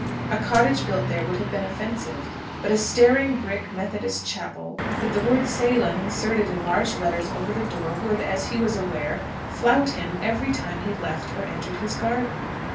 A cottage built there would have been offensive; but a staring brick Methodist chapel, with the word Salem inserted in large letters over the door, would, as he was aware, flout him every time he left or entered his garden.